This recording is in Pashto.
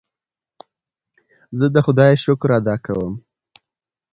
زه د خدای شکر ادا کوم.